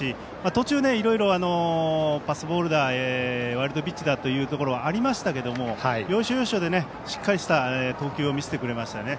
途中、いろいろパスボール、ワイルドピッチもありましたけれども要所要所でしっかりとした投球を見せてくれましたね。